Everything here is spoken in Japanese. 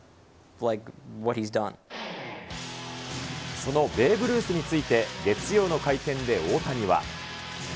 そのベーブ・ルースについて、月曜の会見で大谷は。